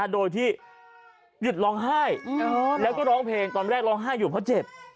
โดยที่หยุดร้องไห้แล้วก็ร้องเพลงตอนแรกร้องไห้อยู่เพราะเจ็บ